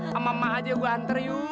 sama mama aja gua hantar yuk